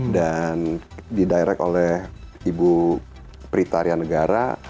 dan didirect oleh ibu pritaria negara